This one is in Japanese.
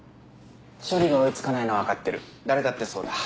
処理が追いつかないのはわかってる誰だってそうだ。